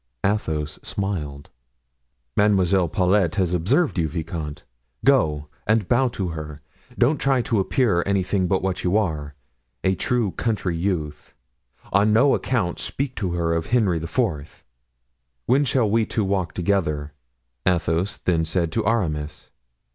Athos smiled. "Mademoiselle Paulet has observed you, vicomte; go and bow to her; don't try to appear anything but what you are, a true country youth; on no account speak to her of Henry IV." "When shall we two walk together?" Athos then said to Aramis.